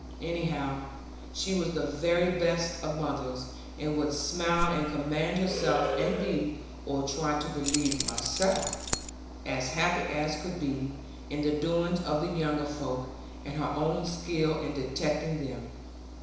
Anyhow, she was the very best of mothers; and would smile and command herself; and be (or try to believe herself) as happy as could be, in the doings of the younger folk, and her own skill in detecting them.